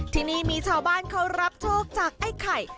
ที่นี่มีชาวบ้านเขารับโชคจากไอ้ไข่